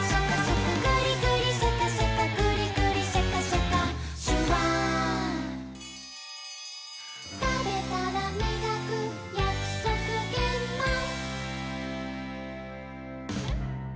「グリグリシャカシャカグリグリシャカシャカ」「シュワー」「たべたらみがくやくそくげんまん」